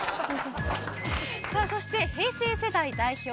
さあそして平成世代代表